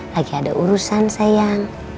lagi ada urusan sayang